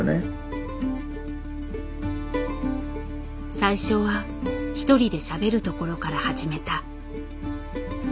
最初は一人でしゃべるところから始めた。